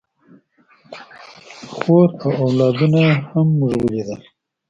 خور او اولادونه یې هم موږ ولیدل.